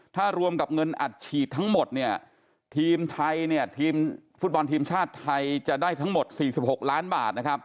ถ้ารวมกับเงินอัดฉีดทั้งหมดฟุตบอลทีมชาติไทยจะได้ทั้งหมด๔๖ล้านบาท